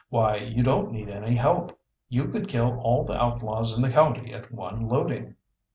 Why, you don't need any help. You could kill all the outlaws in the county at one loading!"